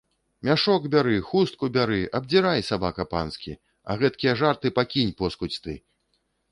Мяшок бяры, хустку бяры, абдзірай, сабака панскі, а гэткія жарты пакінь, поскудзь ты!